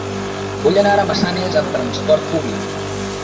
Vull anar a Massanes amb trasport públic.